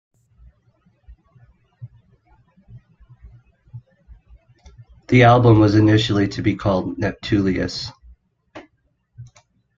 The album was initially to be called "Neptulius".